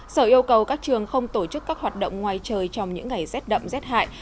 sở yêu cầu các trường không tổ chức các hoạt động ngoài trời trong những ngày rét đậm rét hại